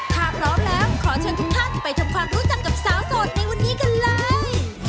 ถ้าพร้อมแล้วขอเชิญทุกท่านไปทำความรู้จักกับสาวโสดในวันนี้กันเลย